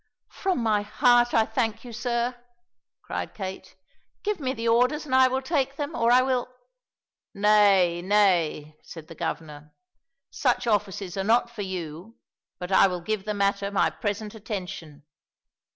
"From my heart I thank you, sir," cried Kate, "give me the orders and I will take them, or I will " "Nay, nay," said the Governor, "such offices are not for you, but I will give the matter my present attention.